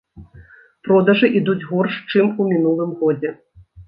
Продажы ідуць горш, чым у мінулым годзе.